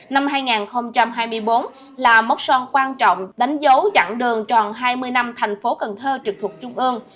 năm hai nghìn hai mươi bốn là mốc son quan trọng đánh dấu dặn đường tròn hai mươi năm thành phố cần thơ trực thuộc trung ương